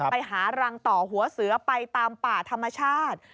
ไปหารังต่อหัวเสือไปตามป่าธรรมชาติ